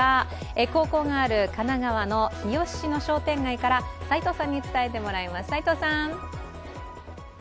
高校がある神奈川の日吉の商店街から齋藤さんに伝えてもらいます。